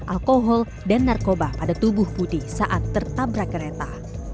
alkohol dan narkoba pada tubuh budi saat tertabrak kereta